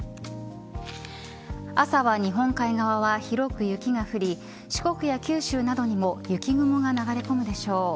朝は日本海側は広く雪が降り四国や九州などにも雪雲が流れ込むでしょう。